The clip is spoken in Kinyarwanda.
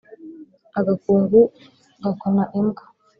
Agakungu gakuna imbwa.